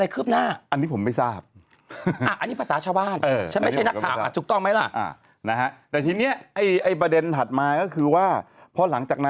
คนเยอะมาก